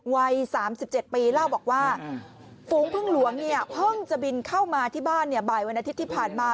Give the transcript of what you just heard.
วัย๓๗ปีเล่าบอกว่าฝูงพึ่งหลวงเนี่ยเพิ่งจะบินเข้ามาที่บ้านบ่ายวันอาทิตย์ที่ผ่านมา